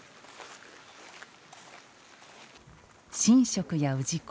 神職や氏子